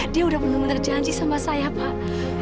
dia udah bener bener janji sama saya pak